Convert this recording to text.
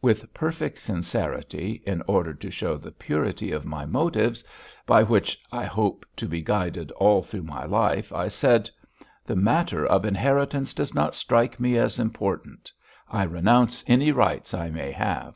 With perfect sincerity, in order to show the purity of my motives, by which I hope to be guided all through my life, I said: "The matter of inheritance does not strike me as important. I renounce any rights I may have."